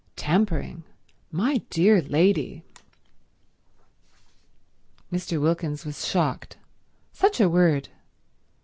"Tampering! My dear lady—" Mr. Wilkins was shocked. Such a word.